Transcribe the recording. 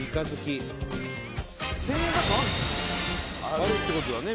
あるって事だね